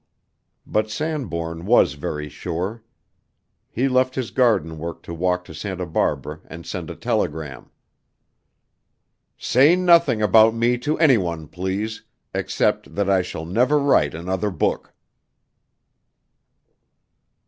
But Sanbourne was very sure. He left his garden work to walk to Santa Barbara and send a telegram. "Say nothing about me to any one, please, except that I shall never write another book."